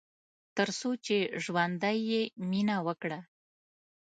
تر څو چې ژوندی يې ، مينه وکړه